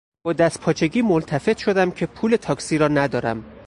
با دستپاچگی ملتفت شدم که پول تاکسی را ندارم.